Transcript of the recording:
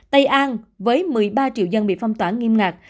tây an với một mươi ba triệu dân bị phong tỏa nghiêm ngặt